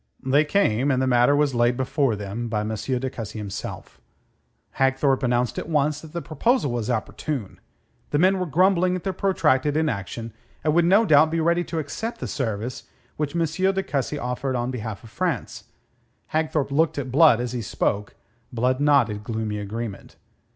They came and the matter was laid before them by M. de Cussy himself. Hagthorpe announced at once that the proposal was opportune. The men were grumbling at their protracted inaction, and would no doubt be ready to accept the service which M. de Cussy offered on behalf of France. Hagthorpe looked at Blood as he spoke. Blood nodded gloomy agreement.